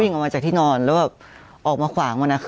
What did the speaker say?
ออกมาจากที่นอนแล้วแบบออกมาขวางมันนะคะ